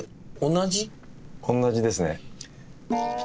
同じですね。